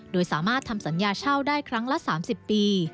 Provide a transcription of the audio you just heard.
โดยสามารถทำสัญญาเช่าได้ครั้งละ๓๐ปี